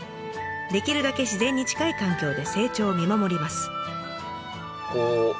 できるだけ自然に近い環境で成長を見守ります。